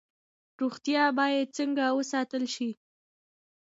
روغتیا باید څنګه وساتل شي؟